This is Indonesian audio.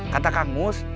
kata kang mus